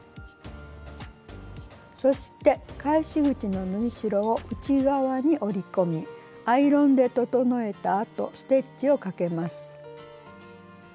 そして返し口の縫い代を内側に折り込みアイロンで整えたあとステッチをかけます。